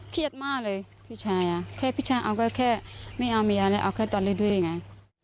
เขียนมาตอนเนี้ยพี่ชายครับ